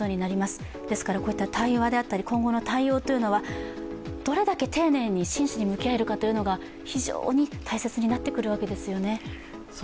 ですからこういった対話であったり今後の対応というのはどれだけ丁寧に、真摯に向き合えるかというのが非常に大切になってくるわけですよね。